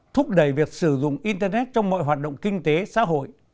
thúc đẩy việc sử dụng internet trong mọi hoạt động kinh tế xã hội